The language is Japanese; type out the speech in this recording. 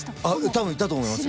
多分いたと思いますよ。